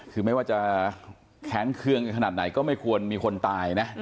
คือไม่ว่าจะแค้นเครื่องขนาดไหนก็ไม่ควรมีคนตายนะ